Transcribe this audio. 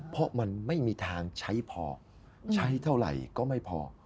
เพราะมันไม่มีทางใช้พอใช้เท่าไหร่ก็ไม่พอ